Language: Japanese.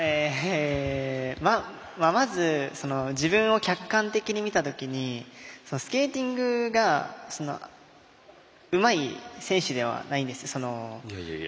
まず自分を客観的に見たときにスケーティングがうまい選手ではないんです。